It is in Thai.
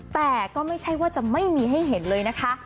แต่ก็ไม่ใช่ว่าจะไม่มีให้เห็นเลยนะคะ